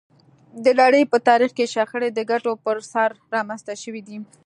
د نړۍ په تاریخ کې شخړې د ګټو پر سر رامنځته شوې دي